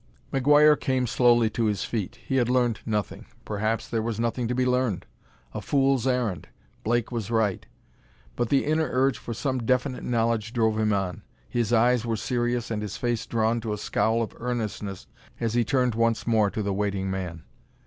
McGuire came slowly to his feet. He had learned nothing; perhaps there was nothing to be learned. A fool's errand! Blake was right. But the inner urge for some definite knowledge drove him on. His eyes were serious and his face drawn to a scowl of earnestness as he turned once more to the waiting man.